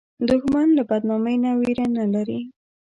دښمن له بدنامۍ نه ویره نه لري